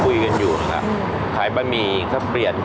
คุยกันอยู่ครับขายบะหมี่ก็เปลี่ยน